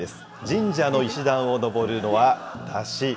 神社の石段を登るのは山車。